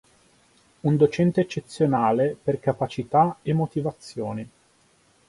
Un docente eccezionale, per capacità e motivazioni".